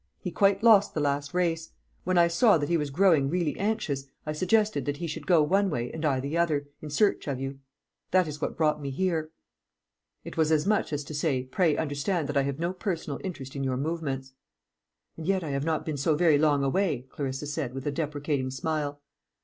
"He quite lost the last race. When I saw that he was growing really anxious, I suggested that he should go one way, and I the other, in search of you. That is what brought me here." It was as much as to say, Pray understand that I have no personal interest in your movements. "And yet I have not been so very long away," Clarissa said, with a deprecating smile.